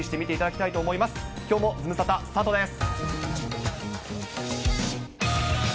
きょうもズムサタ、スタートです。